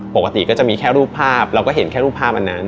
ปกติก็จะมีแค่รูปภาพเราก็เห็นแค่รูปภาพอันนั้น